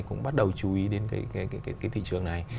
cũng bắt đầu chú ý đến cái thị trường này